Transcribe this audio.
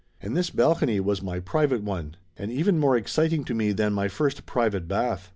And this balcony was my private one, and even more ex citing to me than my first private bath.